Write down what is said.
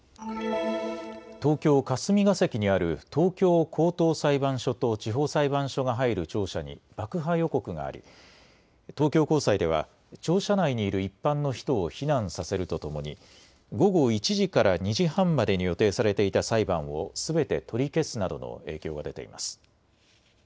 東京霞が関にある東京高等裁判所と地方裁判所が入る庁舎に爆破予告があり東京高裁では庁舎内にいる一般の人を避難させるとともに午後１時から２時半までに予定されていた裁判をすべて取り消すなどの影響が出ています。